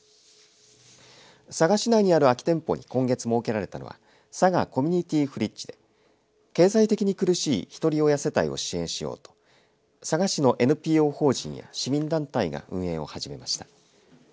佐賀市内にある空き店舗に今月設けられたのは佐賀コミニティフリッジで経済的に苦しいひとり親世帯を支援しようと佐賀市のＮＰＯ法人や市民団体が運営を始めました。